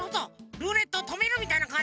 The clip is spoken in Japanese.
ルーレットをとめるみたいなかんじね。